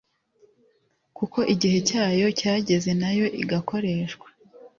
kuko igihe cyayo cyageze nayo igakoreshwa